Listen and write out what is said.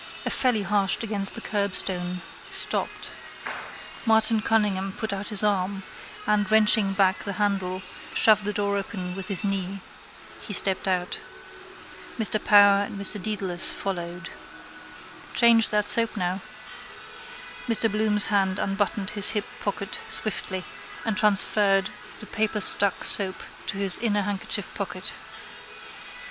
The felly harshed against the curbstone: stopped. Martin Cunningham put out his arm and, wrenching back the handle, shoved the door open with his knee. He stepped out. Mr Power and Mr Dedalus followed. Change that soap now. Mr Bloom's hand unbuttoned his hip pocket swiftly and transferred the paperstuck soap to his inner handkerchief pocket.